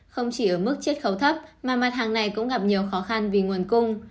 không chỉ ở mức chất khấu thấp mà mặt hàng này cũng gặp nhiều khó khăn vì nguồn cung